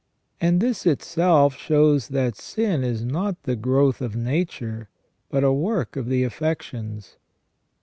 And this itself shows that sin is not the growth of nature, but a work of the affections.